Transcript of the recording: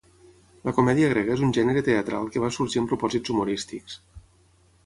La comèdia grega és un gènere teatral que va sorgir amb propòsits humorístics.